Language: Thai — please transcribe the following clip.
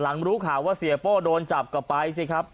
หลังรูข่าวว่าเซโป้โดนจับกลับไปสิครับ